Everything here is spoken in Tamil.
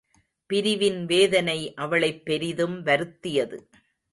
பிரிவின் வேதனை அவளைப் பெரிதும் வருத்தியது.